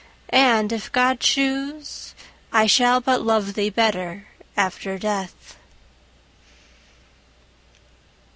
—and, if God choose, I shall but love thee better after death.